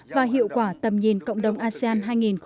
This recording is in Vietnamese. và hiệu quả tầm nhìn cộng đồng asean hai nghìn hai mươi năm